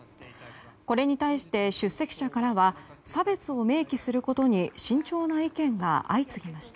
これに対して出席者からは差別を明記することに慎重な意見が相次ぎました。